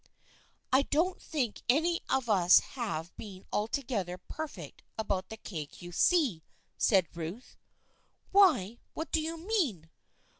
" I don't think any of us have been altogether perfect about the Kay Cue See," said Ruth. " Why, what do you mean?"